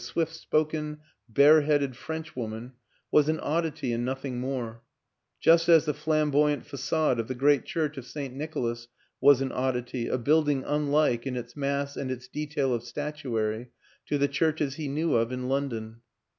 swift spoken, bare headed Frenchwoman was an oddity and nothing more; just as the flamboyant facade of the great church of St. Nicholas was an oddity, a building unlike, in its mass and its detail of statuary, to the churches he knew of in Lon don.